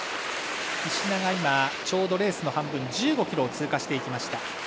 石田がちょうどレースの半分１５ｋｍを通過していきました。